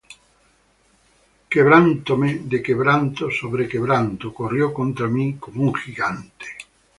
Quebrantóme de quebranto sobre quebranto; Corrió contra mí como un gigante.